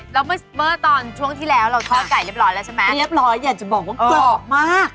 แล้วเมื่อเมื่อตอนช่วงที่แล้วเราทอดไก่เรียบร้อยแล้วใช่ไหมเรียบร้อยอยากจะบอกว่ากรอบมาก